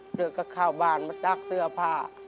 เดี๋ยวก็ข้าวบ้านมาซักเสื้อผ้า